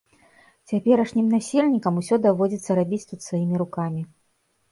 Цяперашнім насельнікам усё даводзіцца рабіць тут сваімі рукамі.